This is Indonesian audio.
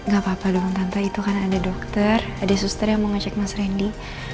gak apa apa dong tante itu kan ada dokter ada suster yang mau ngecek mas randy